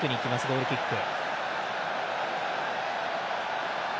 ゴールキック。